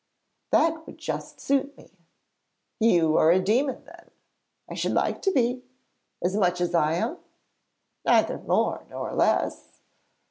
'That would just suit me.' 'You are a demon then!' 'I should like to be.' 'As much as I am?' 'Neither more nor less.'